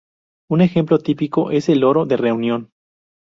Un ejemplo típico es el loro de Reunión.